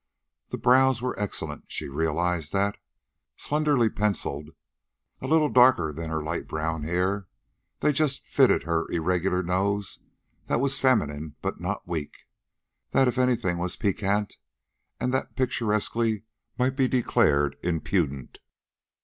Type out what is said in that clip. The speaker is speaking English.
The brows were excellent she realized that. Slenderly penciled, a little darker than her light brown hair, they just fitted her irregular nose that was feminine but not weak, that if anything was piquant and that picturesquely might be declared impudent.